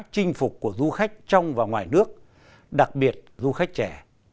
chinh phục của du khách trong và ngoài nước đặc biệt du khách trẻ